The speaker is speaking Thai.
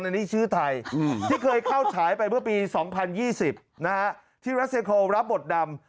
อันนี้ชื่อไทยที่เคยเข้าฉายไปเมื่อปี๒๐๒๐ที่รัสเซโคลรับบทดำ